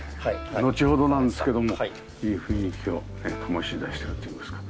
のちほどなんですけどもいい雰囲気を醸し出してるといいますか。